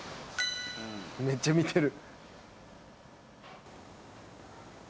めっちゃ見てる。